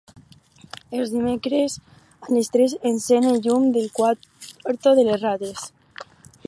Els dimecres a les tres encèn el llum del quarto de les rates.